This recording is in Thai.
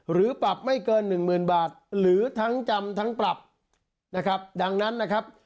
หรือทั้งจำทั้งปรับนะครับดังนั้นนะครับ